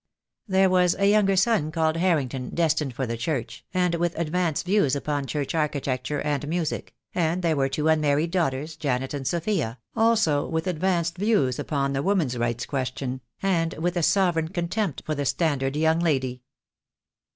There was a younger son called Harrington, destined for the Church, and with advanced views upon church architecture and music, and there were two unmarried daughters, Janet and Sophia, also with advanced views upon the woman's rights question, and with a sovereign contempt for the standard young lady.